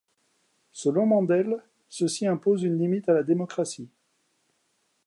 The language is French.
Selon Mandel, ceci impose une limite à la démocratie.